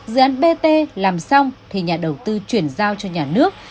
dự án bt làm xong thì nhà đầu tư chuyển giao cho nhà nước